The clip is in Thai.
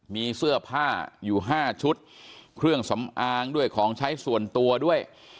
มีเสื้อผ้าอยู่๕ชุดเครื่องสำอางด้วยของใช้ส่วนตัวด้วย